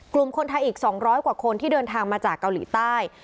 กลุ่มคนไทยอีก๒๐๐กว่าคนที่เดินทางมาจากเกาหลีใต้